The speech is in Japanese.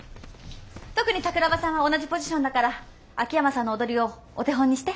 特に桜庭さんは同じポジションだから秋山さんの踊りをお手本にして。